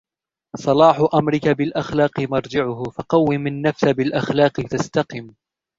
صلاح أمرك بالأخلاق مرجعه ، فَقَوِّم النفس بالأخلاق تستقم.